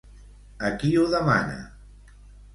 A qui ho demana?